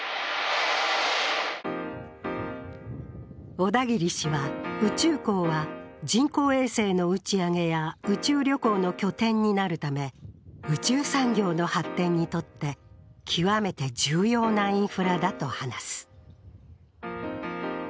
小田切氏は、宇宙港は人工衛星の打ち上げや宇宙旅行の拠点になるため宇宙産業の発展にとって極めて重要なインフラだと話す。